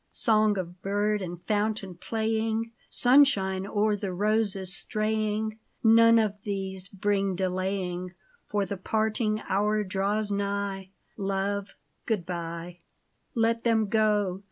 Song of bird, and fountain playing, Sunshine o'er the roses straying, — None of these may bring delaying ; For the parting hour draws nigh : Love, good bye. Let them go